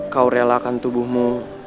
kau relakan tubuhmu